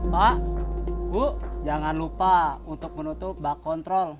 pak bu jangan lupa untuk menutup bak kontrol